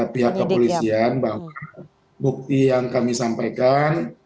pihak kepolisian bahwa bukti yang kami sampaikan